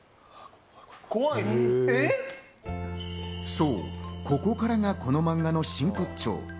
そう、ここからがこのマンガの真骨頂。